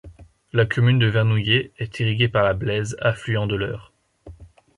La commune de Vernouillet est irriguée par la Blaise, affluent de l'Eure.